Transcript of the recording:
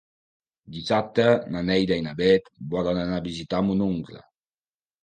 Dissabte na Neida i na Bet volen anar a visitar mon oncle.